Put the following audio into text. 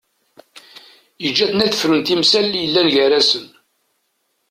Yeǧǧa-ten ad frun timsal yellan gar-asen.